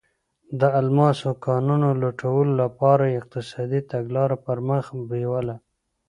د الماسو کانونو لوټلو لپاره یې اقتصادي تګلاره پر مخ بیوله.